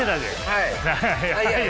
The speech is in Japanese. はい。